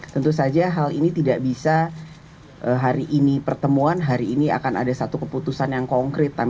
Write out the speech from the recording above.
tentu saja hal ini tidak bisa hari ini pertemuan hari ini akan ada satu keputusan yang konkret